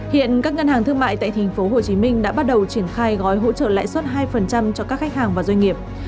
hiện các ngân hàng thương mại tại tp hcm đã bắt đầu triển khai gói hỗ trợ lãi suất hai cho các khách hàng và doanh nghiệp